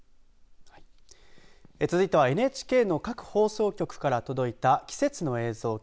続いてはＮＨＫの各放送局から届いた季節の映像。